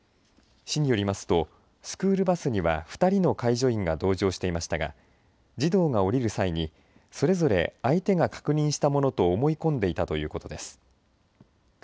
市によりますとスクールバスには２人の介助員が同乗していましたが児童が降りる際にそれぞれ相手が確認したものと思い込んでいたということです。